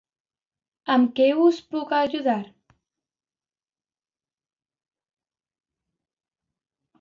Amb què us puc ajudar?